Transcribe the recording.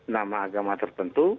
nama agama tertentu